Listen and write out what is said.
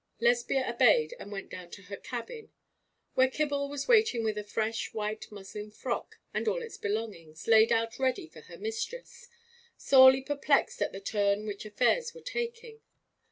Lesbia obeyed, and went down to her cabin, where Kibble was waiting with a fresh white muslin frock and all its belongings, laid out ready for her mistress, sorely perplexed at the turn which affairs were taking.